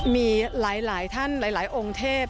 มีหลายท่านหลายองค์เทพ